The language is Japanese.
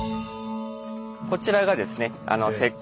こちらがですね石灰岩。